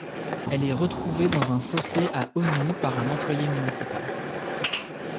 Elle est retrouvée dans un fossé à Osny par un employé municipal.